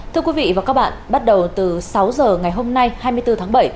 thưa quý vị và các bạn bắt đầu từ sáu giờ ngày hôm nay hai mươi bốn tháng bảy